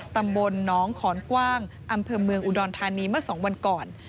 ตำบลน้องขอนกว้างอำเภอเมืองอุดรธานีเมื่อ๒วันก่อน